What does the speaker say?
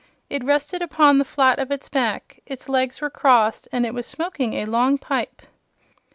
It rested upon the flat of its back, its legs were crossed and it was smoking a long pipe.